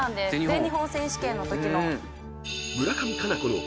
全日本選手権のときの。